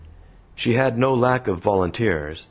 She had no lack of volunteers.